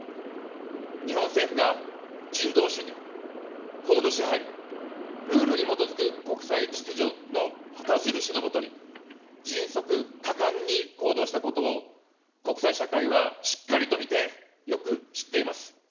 日本政府が人道主義、法の支配、ルールに基づく国際秩序の旗印のもとに、迅速果敢に行動したことを、国際社会はしっかりと見て、よく知っています。